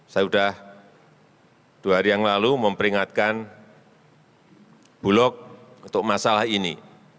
saya sudah dua hari yang lalu memperingatkan bulog untuk masalah ini